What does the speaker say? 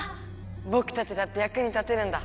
ぼくたちだってやくに立てるんだ！